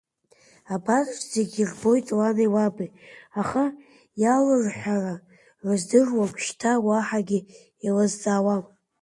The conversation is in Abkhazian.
Абарҭ зегьы рбоит лани лаби, аха иалырҳәаара рыздыруам, шьҭа уаҳагьы илызҵаауам…